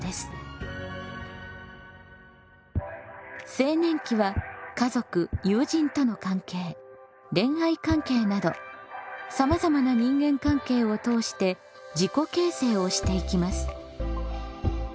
青年期は家族友人との関係恋愛関係などさまざまな人間関係を通して「自己形成」をしていきます。